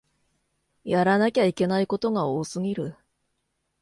やらなきゃいけないことが多すぎる